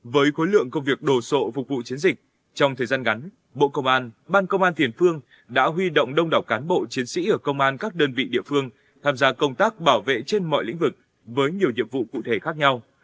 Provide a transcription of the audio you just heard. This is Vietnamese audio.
với khối lượng công việc đồ sộ phục vụ chiến dịch trong thời gian ngắn bộ công an ban công an tiền phương đã huy động đông đảo cán bộ chiến sĩ ở công an các đơn vị địa phương tham gia công tác bảo vệ trên mọi lĩnh vực với nhiều nhiệm vụ cụ thể khác nhau